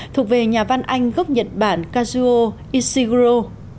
thuộc về nhà văn anh gốc nhật bản kazuo ishigoro